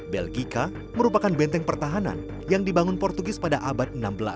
belgika merupakan benteng pertahanan yang dibangun portugis pada abad enam belas